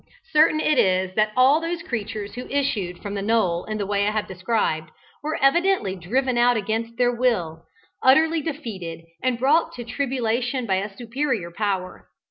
Certain it is that all those creatures who issued from the knoll in the way I have described were evidently driven out against their will, utterly defeated and brought to tribulation by a superior power.